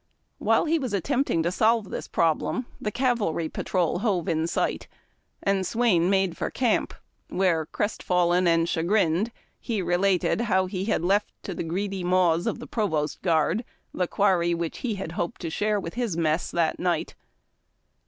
While he was attempting to solve this problem the cavalry patrol hove in sight, and Swain made for camp, where, crest fallen and chagrined, he related how he had left to the greedy maws of the provost guard the quarry which he had hoped to share with his mess that^ night.